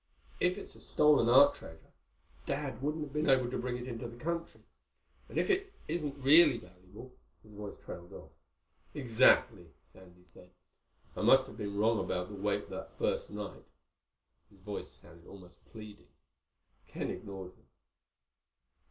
If it's a stolen art treasure, Dad wouldn't have been able to bring it into the country. And if it isn't really valuable...." his voice trailed off. "Exactly," Sandy said. "I must have been wrong about the weight that first night." His voice sounded almost pleading. Ken ignored him.